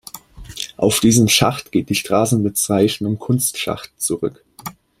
Auf diesen Schacht geht die Straßenbezeichnung „Kunstschacht“ zurück.